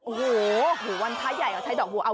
โอ้โหวันพระใหญ่เขาใช้ดอกบัวเอา